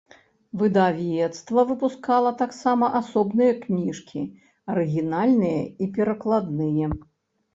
Выдавецтва выпускала таксама асобныя кніжкі, арыгінальныя і перакладныя.